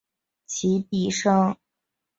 其毕业生有许多都是公立学校教员。